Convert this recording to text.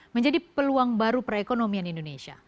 menjadi peluang baru perekonomian indonesia